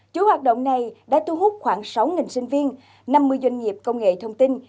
chủ hoạt động này đã thu hút khoảng sáu sinh viên năm mươi doanh nghiệp công nghệ thông tin